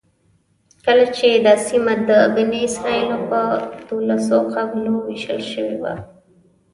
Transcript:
کله چې دا سیمه د بني اسرایلو په دولسو قبیلو وېشل شوې وه.